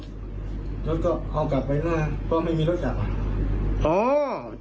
รถก็เอากลับไปนะครับเพราะไม่มีรถกลับมา